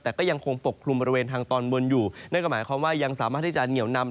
แต่ก็ยังคงปกคลุมบริเวณทางตอนบนอยู่นั่นก็หมายความว่ายังสามารถที่จะเหนียวนำ